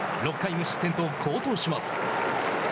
６回無失点と好投します。